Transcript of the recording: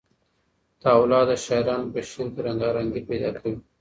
تحولات د شاعرانو په شعر کې رنګارنګي پیدا کوي.